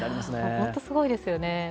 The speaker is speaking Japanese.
ホントすごいですよね。